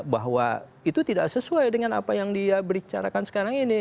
bahwa itu tidak sesuai dengan apa yang dia bicarakan sekarang ini